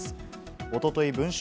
おととい、文春